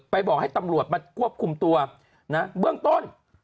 บอกให้ตำรวจมาควบคุมตัวนะเบื้องต้น